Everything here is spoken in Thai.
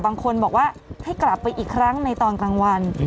บางคนบอกว่าให้กลับไปอีกครั้งในตอนกลางวัน